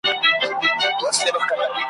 د بل رهبر وي د ځان هینداره ,